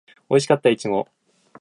おいしかったいちご